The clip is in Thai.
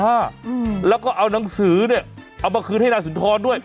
อืมแล้วก็เอาหนังสือเนี้ยเอามาคืนให้นายสุนทรด้วย